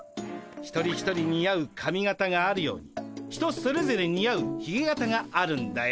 一人一人似合う髪形があるように人それぞれ似合うひげ形があるんだよ。